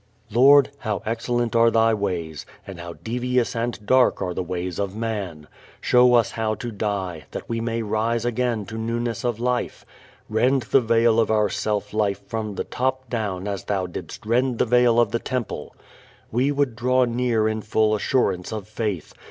_Lord, how excellent are Thy ways, and how devious and dark are the ways of man. Show us how to die, that we may rise again to newness of life. Rend the veil of our self life from the top down as Thou didst rend the veil of the Temple. We would draw near in full assurance of faith.